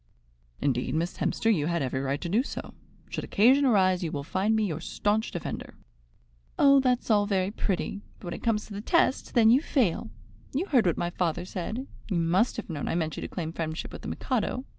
"Indeed, Miss Hemster, you had every right to do so. Should occasion arise, you will find me your staunch defender." "Oh, that's all very pretty; but when it comes to the test, then you fail. You heard what my father said. You must have known I meant you to claim friendship with the Mikado.